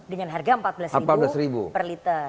dengan harga empat belas ribu per liter